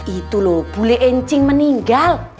itu loh bule encing meninggal